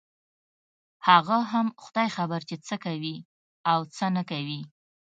هغه هم خداى خبر چې څه کوي او څه نه کوي.